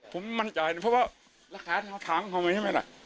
ผมไม่มั่นใจนะเพราะว่าราคาถังของมันใช่ไหมนะ